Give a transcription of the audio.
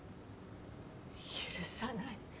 許さない